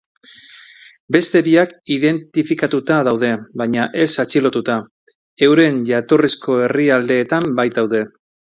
Beste biak indentifikatuta daude, baina ez atxilotuta, euren jatorrizko herrialdeetan baitaude.